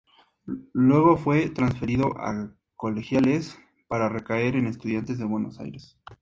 Luego fue transferido a Colegiales, para recaer en Estudiantes de Buenos Aires.